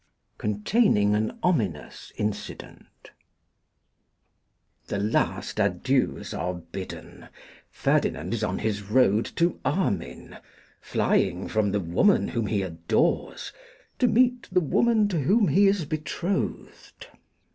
Containing an Ominous Incident. THE last adieus are bidden: Ferdinand is on his road to Armine, flying from the woman whom he adores, to meet the woman to whom he is betrothed.